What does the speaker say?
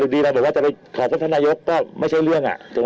ตอนดีบอกว่าจะไปขอพรันธานายกก็ไม่ใช่เรื่องจะไหม